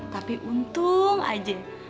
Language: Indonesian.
tapi untung aja